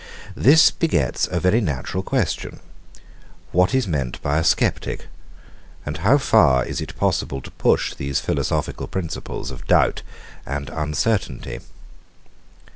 This begets a very natural question; What is meant by a sceptic? And how far it is possible to push these philosophical principles of doubt and uncertainty?